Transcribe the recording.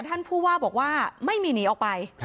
ท่านผู้ว่าบอกว่าไม่มีหนีออกไป